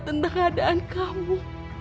tentang keadaan kamu